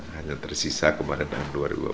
hanya tersisa kemarin tahun dua ribu dua puluh